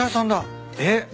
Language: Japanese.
えっ？